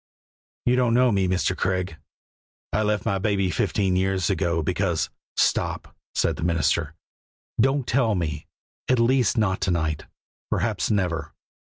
"You don't know me, Mr. Craig. I left my baby fifteen years ago because " "Stop!" said the minister. "Don't tell me, at least not to night; perhaps never.